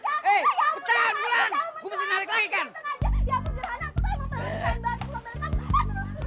gue mesti narik lagi kan